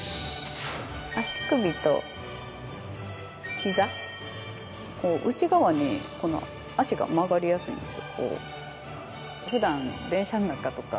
彼女の内側に足が曲がりやすいんですよ。